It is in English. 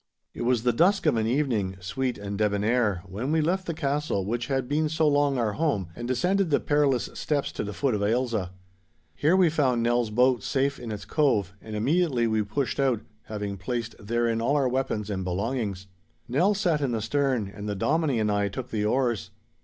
It was the dusk of an evening, sweet and debonnair, when we left the castle which had been so long our home, and descended the perilous steeps to the foot of Ailsa. Here we found Nell's boat safe in its cove, and immediately we pushed out, having placed therein all our weapons and belongings. Nell sat in the stern, and the Dominie and I took the oars.